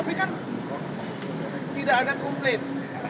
tapi kan tidak ada komplain